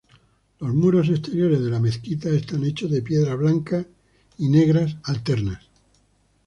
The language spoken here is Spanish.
Los muros exteriores de la mezquita están hechos de piedras blancas y negras alternas.